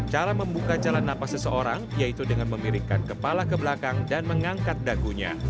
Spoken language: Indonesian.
cara membuka jalan napas seseorang yaitu dengan memirikan kepala ke belakang dan mengangkat dagunya